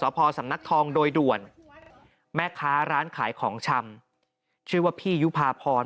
พอสำนักทองโดยด่วนแม่ค้าร้านขายของชำชื่อว่าพี่ยุภาพร